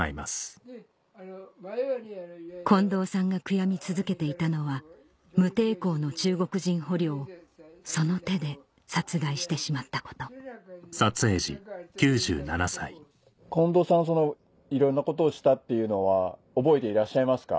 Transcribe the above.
近藤さんが悔やみ続けていたのは無抵抗の中国人捕虜をその手で殺害してしまったこと近藤さんはいろいろなことをしたっていうのは覚えていらっしゃいますか？